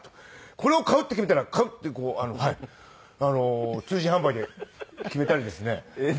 これを買うって決めたら買うってこう通信販売で決めたりですね。